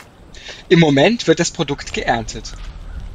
Im Moment wird das Produkt geerntet.